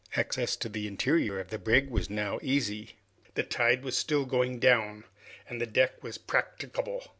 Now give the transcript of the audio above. Access to the interior of the brig was now easy. The tide was still going down and the deck was practicable.